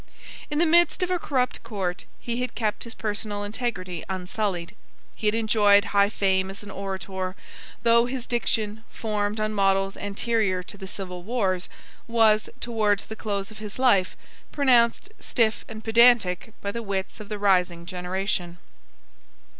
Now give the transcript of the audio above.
In the midst of a corrupt court he had kept his personal integrity unsullied. He had enjoyed high fame as an orator, though his diction, formed on models anterior to the civil wars, was, towards the close of his life, pronounced stiff and pedantic by the wits of the rising generation.